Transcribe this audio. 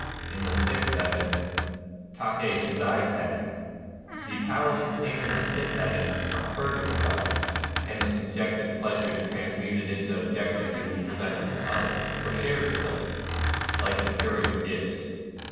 In the sixth heaven (^Tahe jizai Teri)^ the powers obtained in the fifth heaven are further developed ; and the subjective pleasures trans muted into objective can be presented to others, or shared with others, — like material gifts.